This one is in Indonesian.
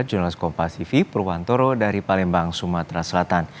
jurnalist kompas tv purwantoro dari palembang sumatera selatan